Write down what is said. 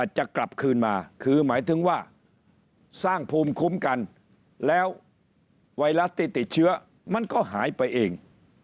จะกลับคืนมาคือหมายถึงว่าสร้างภูมิคุ้มกันแล้วไวรัสที่ติดเชื้อมันก็หายไปเอง